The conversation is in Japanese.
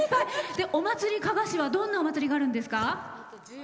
加賀市はどんなお祭りがあるんですか？